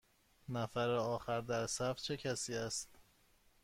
نفر آخر در صف چه کسی است؟